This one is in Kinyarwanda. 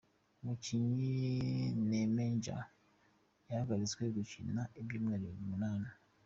Umukinnyi Nemanja yahagaritswe gukina ibyumweru Umunani